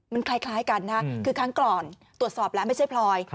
มันคล้ายกันนะคือครั้งก่อนตรวจสอบแล้วไม่ใช่พลอย